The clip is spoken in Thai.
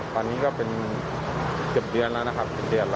ตอนนี้ก็เป็นเกือบเดือนแล้วนะครับ